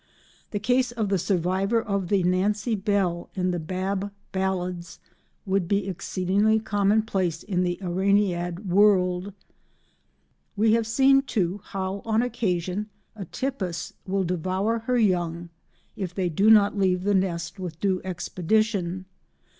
The case of the survivor of the "Nancy Bell" in the Bab Ballads would be exceedingly commonplace in the aranead world. We have seen, too, how, on occasion, Atypus will devour her young if they do not leave the nest with due expedition.